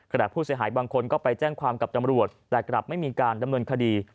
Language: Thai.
ผู้เสียหายบางคนก็ไปแจ้งความกับตำรวจแต่กลับไม่มีการดำเนินคดี